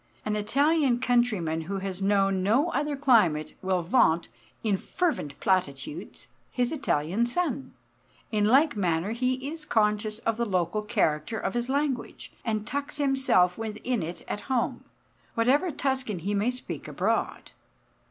An Italian countryman who has known no other climate will vaunt, in fervent platitudes, his Italian sun; in like manner he is conscious of the local character of his language, and tucks himself within it at home, whatever Tuscan he may speak abroad.